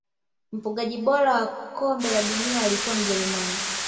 mfungaji bora wa kombe la dunia alikuwa mjerumani